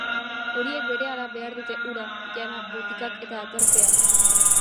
Horiek berehala behar dute ura, jana, botikak eta aterpea.